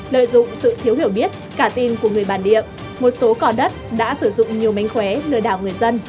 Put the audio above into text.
lợi dụng sự thiếu hiểu biết cả tin của người bản địa một số cò đất đã sử dụng nhiều mánh khóe lừa đảo người dân